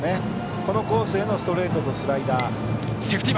このコースへのストレートとスライダー。